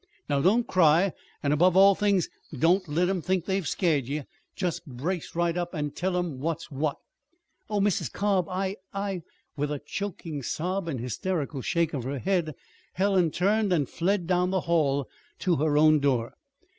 "Now don't cry; and, above all things, don't let 'em think they've scared ye. Just brace right up an' tell 'em what's what." "Oh, but Mrs. Cobb, I I " With a choking sob and a hysterical shake of her head, Helen turned and fled down the hall to her own door.